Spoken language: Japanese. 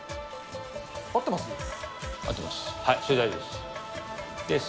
合ってます？